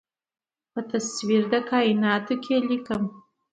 په تصویر د کائیناتو کې ليکمه